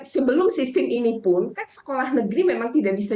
sebelum sistem ini pun kan sekolah negeri memang tidak bisa